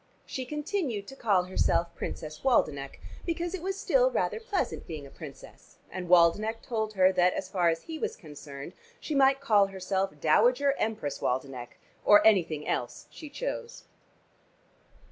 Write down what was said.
She continued to call herself "Princess Waldenech," because it was still rather pleasant being a Princess, and Waldenech told her that, as far as he was concerned, she might call herself "Dowager Empress Waldenech," or anything else she chose.